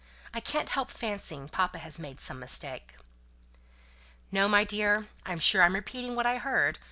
I can't help fancying papa has made some mistake." "No, my dear. I'm sure I'm repeating what I heard.